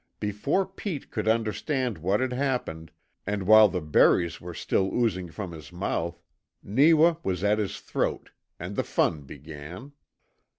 Before Pete could understand what had happened, and while the berries were still oozing from his mouth, Neewa was at his throat and the fun began.